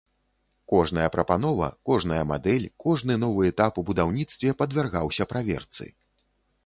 Кожная прапанова, кожная мадэль, кожны новы этап у будаўніцтве падвяргаўся праверцы.